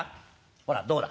ほらどうだ